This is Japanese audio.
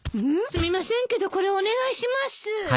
すみませんけどこれお願いします。